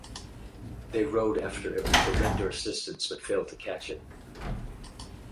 They rowed after it to render assistance but failed to catch it.